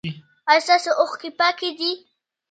ایا ستاسو اوښکې پاکې دي؟